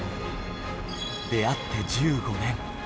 出会って１５年。